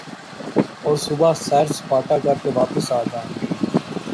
اور صبح سیر سپاٹا کر کے واپس آ جائیں گے ۔